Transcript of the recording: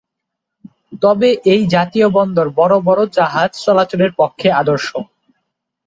তবে এই জাতীয় বন্দর বড়ো বড়ো জাহাজ চলাচলের পক্ষে আদর্শ।